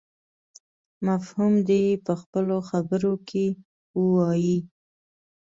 مفهوم دې يې په خپلو خبرو کې ووايي.